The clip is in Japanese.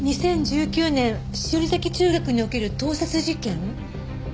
「２０１９年栞崎中学における盗撮事件」。